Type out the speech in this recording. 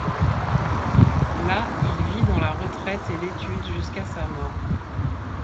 Là, il vit dans la retraite et l’étude jusqu’à sa mort.